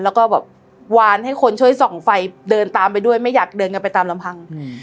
แล้วก็แบบวานให้คนช่วยส่องไฟเดินตามไปด้วยไม่อยากเดินกันไปตามลำพัง